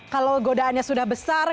kalau godaannya sudah besar